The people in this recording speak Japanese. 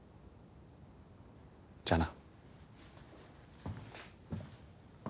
じゃあな。